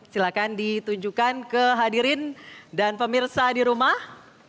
silahkan ditunjukkan ke hadirin dan pemirsa di rumah